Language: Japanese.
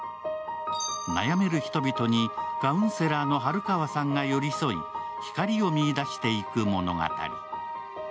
悩める人々にカウンセラーの晴川さんが寄り添い、光を見いだしていく物語。